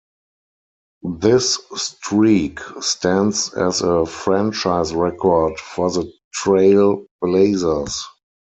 This streak stands as a franchise record for the Trail Blazers.